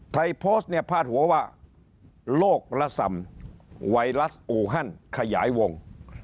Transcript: โพสต์เนี่ยพาดหัวว่าโรคระส่ำไวรัสอูฮันขยายวง